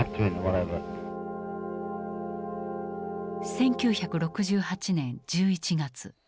１９６８年１１月。